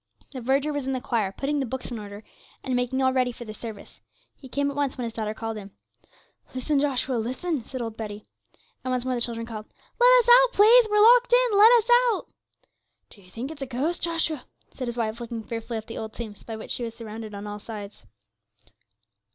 The verger was in the choir, putting the books in order, and making all ready for the service. He came at once when his daughter called him. 'Listen, Joshua, listen,' said old Betty. And once more the children called. 'Let us out, please; we're locked in; let us out.' 'Do ye think it's a ghost, Joshua?' said his wife, looking fearfully at the old tombs by which she was surrounded on all sides.